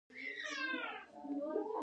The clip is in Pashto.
واکمن په یوه مهمه خبره پوهېدل.